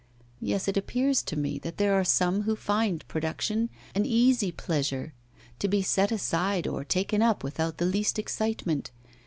Yes, it appears to me that there are some who find production an easy pleasure, to be set aside or taken up without the least excitement.